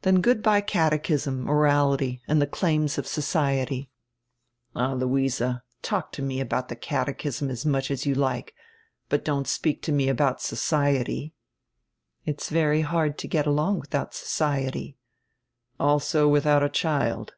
"Then good by catechism, morality, and die claims of society. "All, Luise, talk to me about die catechism as much as you like, but don't speak to me abont 'society.'" "It is very hard to get along widiout 'society.'" "Also widiout a child.